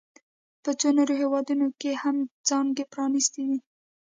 په څو نورو هېوادونو کې هم څانګې پرانیستي دي